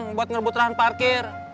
saya ngajak perang buat ngebut rahan parkir